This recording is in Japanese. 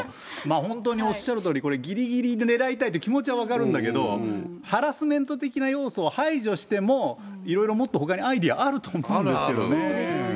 本当に、おっしゃるとおり、これ、ぎりぎりねらいたいという気持ちは分かるんだけれども、ハラスメント的な要素を排除しても、いろいろもっとほかにアイデアあるとそうですよね。